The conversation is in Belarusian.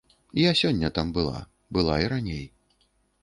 Я сёння там была, была і раней.